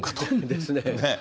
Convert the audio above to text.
ですね。